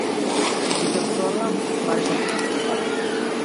আমি দিপাকে বললাম, বাড়ি পছন্দ হয়েছে দিপা?